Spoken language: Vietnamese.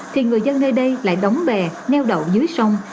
thì người dân nơi đây lại đóng bè neo đậu dưới sông